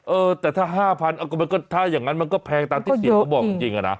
เออแต่ถ้า๕๐๐ก็มันก็ถ้าอย่างนั้นมันก็แพงตามที่เสียงเขาบอกจริงอะนะ